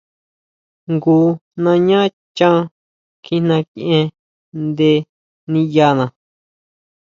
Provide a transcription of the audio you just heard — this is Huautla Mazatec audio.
Jngu nañá chán kjijna kʼien nde niʼyana.